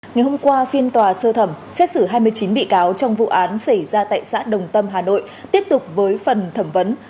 ngày hôm qua phiên tòa sơ thẩm xét xử hai mươi chín bị cáo trong vụ án xảy ra tại xã đồng tâm hà nội tiếp tục với phần thẩm vấn